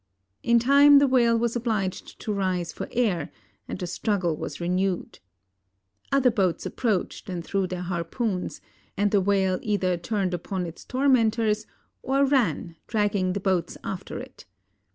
In time the whale was obliged to rise for air and the struggle was renewed. Other boats approached and threw their harpoons, and the whale either turned upon its tormentors or ran, dragging the boats after it.